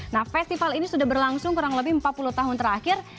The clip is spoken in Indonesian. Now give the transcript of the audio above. nah festival ini sudah berlangsung kurang lebih empat puluh tahun terakhir